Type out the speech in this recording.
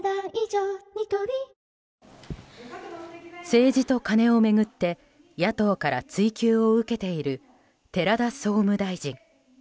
政治とカネを巡って野党から追及を受けている寺田総務大臣。